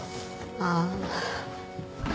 ああ。